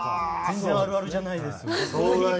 「全然あるあるじゃないです」みたいな。